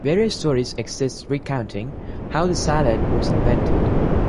Various stories exist recounting how the salad was invented.